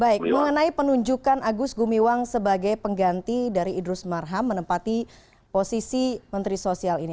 baik mengenai penunjukan agus gumiwang sebagai pengganti dari idrus marham menempati posisi menteri sosial ini